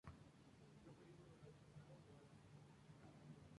Antes era llamado "Ciudad Venustiano Carranza".